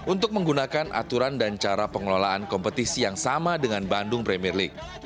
untuk menggunakan aturan dan cara pengelolaan kompetisi yang sama dengan bandung premier league